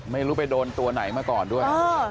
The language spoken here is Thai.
ไม่รู้ไปโดนตัวไหนมาก่อนด้วย